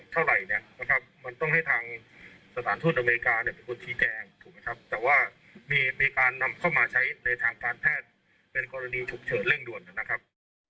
ใช้ในทางภารณ์แพทย์เป็นกรณีฉุกเฉินเรื่องด่วนนะครับ